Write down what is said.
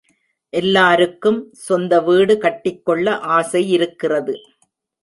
எல்லாருக்கும் சொந்த வீடு கட்டிக் கொள்ள ஆசையிருக்கிறது.